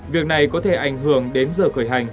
việc này có thể ảnh hưởng đến giờ khởi hành